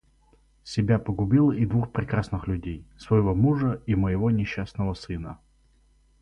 Себя погубила и двух прекрасных людей — своего мужа и моего несчастного сына.